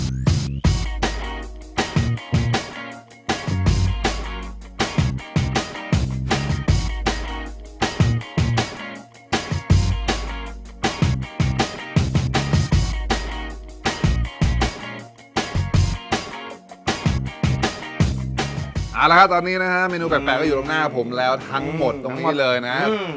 เอาละครับตอนนี้นะฮะเมนูแปลกก็อยู่ตรงหน้าผมแล้วทั้งหมดตรงนี้เลยนะครับ